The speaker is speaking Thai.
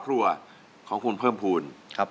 สวัสดีครับ